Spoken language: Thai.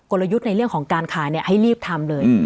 ลยุทธ์ในเรื่องของการขายให้รีบทำเลย